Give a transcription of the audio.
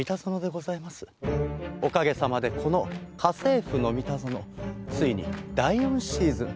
おかげさまでこの『家政夫のミタゾノ』ついに第４シーズン。